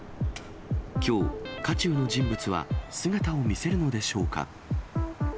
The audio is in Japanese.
きょう、渦中の人物は姿を見せるのでしょうか。